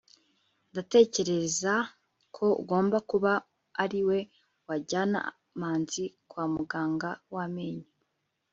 ndatekereza ko ugomba kuba ariwe wajyana manzi kwa muganga w amenyo